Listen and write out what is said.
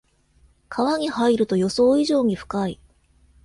川に入ると予想以上に深い